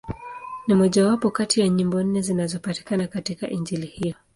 Ni mmojawapo kati ya nyimbo nne zinazopatikana katika Injili hiyo.